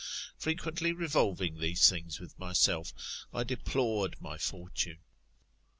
Frequently revolving these things with myself, I deplored my fortune.